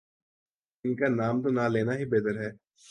ان کا نام تو نہ لینا ہی بہتر ہے۔